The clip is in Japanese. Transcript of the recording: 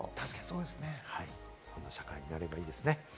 そんな社会になればいいですね。